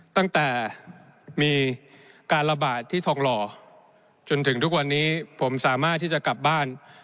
ตั้งแต่มีการระบาดที่ทองหล่อจนถึงทุกวันนี้ผมสามารถที่จะกลับบ้าน